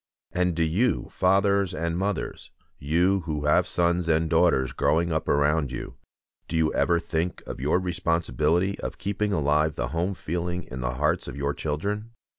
And do you, fathers and mothers, you who have sons and daughters growing up around you, do you ever think of your responsibility of keeping alive the home feeling in the hearts of your children?